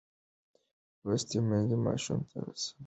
لوستې میندې ماشوم ته سالم عادتونه ورزده کوي.